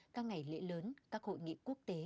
các ngày lễ lớn các hội nghị quốc tế